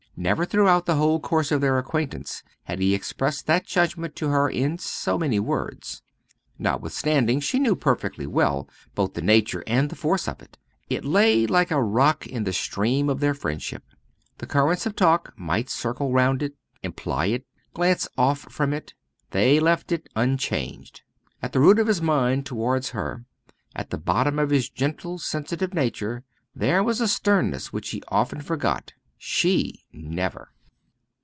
Never throughout the whole course of their acquaintance had he expressed that judgment to her in so many words. Notwithstanding, she knew perfectly well both the nature and the force of it. It lay like a rock in the stream of their friendship. The currents of talk might circle round it, imply it, glance off from it; they left it unchanged. At the root of his mind towards her, at the bottom of his gentle sensitive nature, there was a sternness which he often forgot she never.